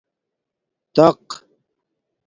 تَق